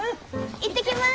行ってきます！